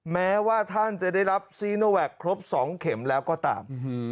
แม้ว่าท่านจะได้รับซีโนแวคครบ๒เข็มแล้วก็ตาม